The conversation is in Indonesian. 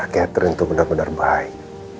catherine tuh benar benar baik